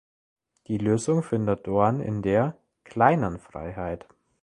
Die Lösung findet Dorn in der „Kleinen Freiheit“.